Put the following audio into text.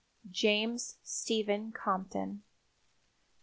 James Stephen Compton.